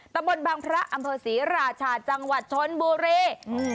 ตำบลบางพระอำเภอศรีราชาจังหวัดชนบุรีอืม